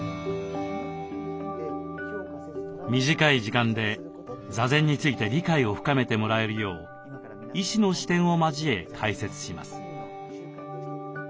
短い時間で座禅について理解を深めてもらえるよう医師の視点を交え解説します。